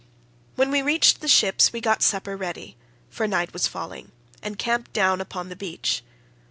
When we reached the ships we got supper ready, for night was falling, and camped down upon the beach.